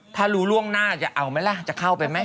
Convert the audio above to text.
ถ้ารู้ล่วงหน้าจะเอาไหมล่ะจะเข้าไปไหม